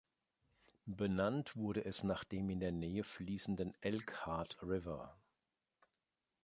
Benannt wurde es nach dem in der Nähe fließenden Elkhart River.